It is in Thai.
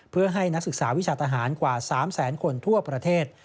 เพื่อให้นักศึกษาวิชาทหารกว่า๓แสนคนทั่วประเทศ